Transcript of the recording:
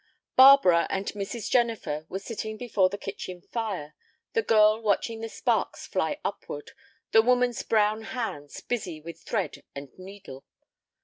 Barbara and Mrs. Jennifer were sitting before the kitchen fire, the girl watching the sparks fly upward, the woman's brown hands busy with thread and needle.